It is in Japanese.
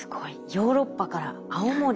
ヨーロッパから青森に。